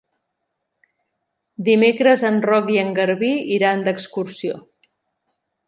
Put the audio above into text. Dimecres en Roc i en Garbí iran d'excursió.